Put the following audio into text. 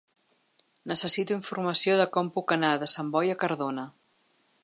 Necessito informació de com puc anar de Sant Boi a Cardona.